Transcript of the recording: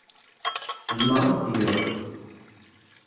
Tzemreḍ ad t-tgeḍ?